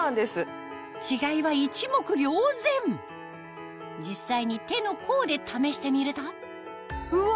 違いは一目瞭然実際に手の甲で試してみるとうわ！